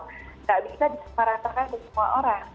tidak bisa diseparatorkan ke semua orang